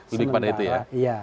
lebih kepada itu ya